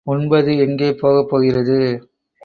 உண்பது எங்கே போகப்போகிறது!